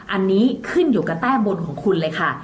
อันนี้ขึ้นอยู่กับแต้มบุญของคุณเลยค่ะ